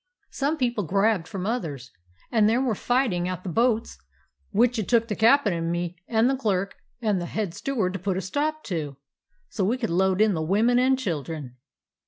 Some people grabbed from others, and there was fighting at the boats, which it took the cap'n and me and the clerk and the head steward to put a stop to, so we could load in the women and children.